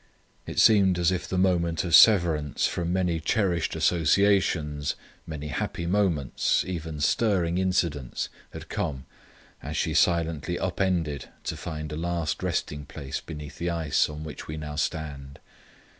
It seemed as if the moment of severance from many cherished associations, many happy moments, even stirring incidents, had come as she silently up ended to find a last resting place beneath the ice on which we now stand.